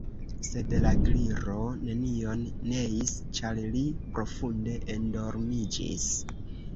Sed la Gliro nenion neis, ĉar li profunde endormiĝis.